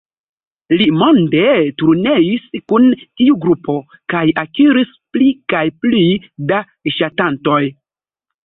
Li monde turneis kun tiu grupo kaj akiris pli kaj pli da ŝatantoj.